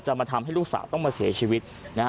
มาทำให้ลูกสาวต้องมาเสียชีวิตนะฮะ